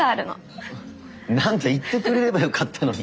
何だ言ってくれればよかったのに。